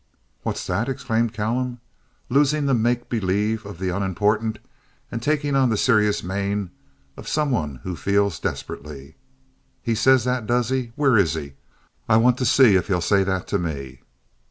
"What's that?" exclaimed Callum, losing the make believe of the unimportant, and taking on the serious mien of some one who feels desperately. "He says that, does he? Where is he? I want to see if he'll say that to me."